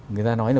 người ta nói là